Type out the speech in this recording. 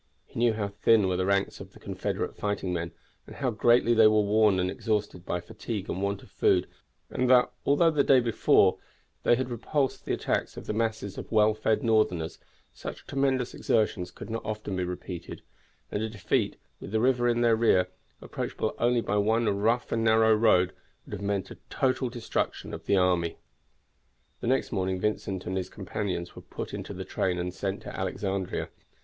He knew how thin were the ranks of the Confederate fighting men, and how greatly they were worn and exhausted by fatigue and want of food, and that, although they had the day before repulsed the attacks of the masses of well fed Northerners, such tremendous exertions could not often be repeated, and a defeat, with the river in their rear, approachable only by one rough and narrow road, would have meant a total destruction of the army. The next morning Vincent and his companions were put into the train and sent to Alexandria.